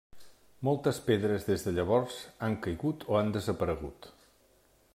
Moltes pedres des de llavors han caigut o han desaparegut.